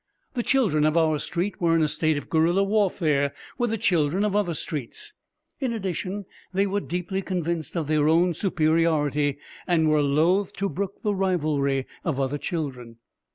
The children of our street were in a state of guerilla warfare with the children of other streets; in addition, they were deeply convinced of their own superiority and were loath to brook the rivalry of other children.